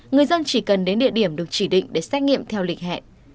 người dân chỉ cần đến địa điểm được chỉ định để xét nghiệm theo lịch hẹn